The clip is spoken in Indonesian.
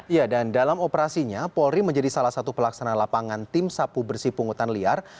ya dan dalam operasinya polri menjadi salah satu pelaksana lapangan tim sapu bersih pungutan liar